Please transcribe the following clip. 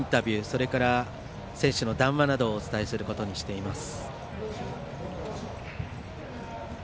それから選手の談話などをお伝えすることにしています。